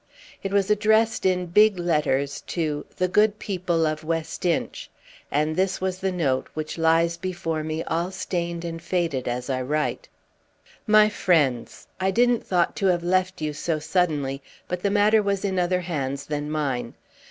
It was addressed in big letters to "The good people of West Inch;" and this was the note, which lies before me all stained and faded as I write: "My friends, I didn't thought to have left you so suddenly, but the matter was in other hands than mine.